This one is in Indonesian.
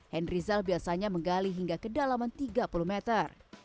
henry zal biasanya menggali hingga kedalaman tiga puluh meter